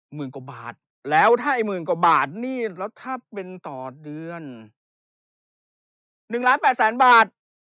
หมื่นกว่าบาทแล้วถ้าไอ้หมื่นกว่าบาทนี่แล้วถ้าเป็นต่อเดือน๑ล้าน๘แสนบาท